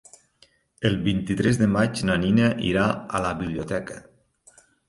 El vint-i-tres de maig na Nina irà a la biblioteca.